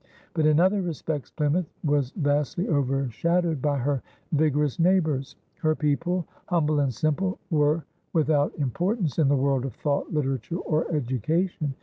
But in other respects Plymouth was vastly overshadowed by her vigorous neighbors. Her people, humble and simple, were without importance in the world of thought, literature, or education.